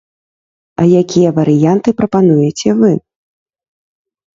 А якія варыянты прапануеце вы?